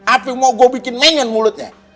apa mau gua bikin menyen mulutnya